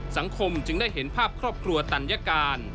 สังคมจึงได้เห็นภาพครอบครัวตัญการ